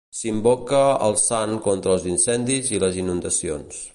S'invoca el sant contra els incendis i les inundacions.